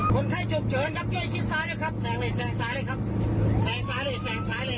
คนไข้ฉุกเฉินครับจิ๊ดซ้ายด้วยครับแสงซ้ายเลยครับแสงซ้ายเลยแสงซ้ายเลย